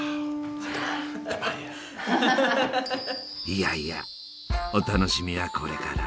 いやいやお楽しみはこれから。